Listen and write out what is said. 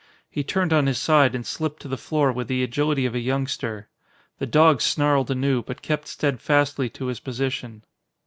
He turned on his side and slipped to the floor with the agility of a youngster. The dog snarled anew, but kept steadfastly to his position.